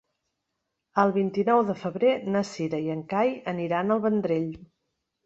El vint-i-nou de febrer na Cira i en Cai aniran al Vendrell.